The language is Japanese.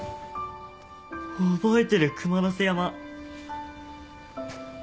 覚えてる熊之背山。